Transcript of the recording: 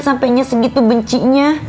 sampainya segitu bencinya